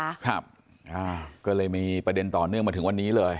ครับอ่าก็เลยมีประเด็นต่อเนื่องมาถึงวันนี้เลย